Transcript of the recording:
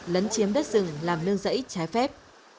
lấn chiếm đất rừng làm nương rẫy trái phép